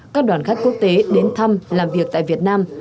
các đoàn khách quốc tế đến thăm làm việc tại việt nam